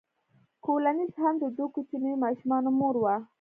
کولینز هم د دوو کوچنیو ماشومانو مور وه.